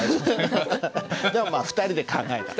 でもまあ２人で考えた。